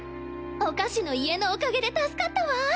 お菓子の家のおかげで助かったわ。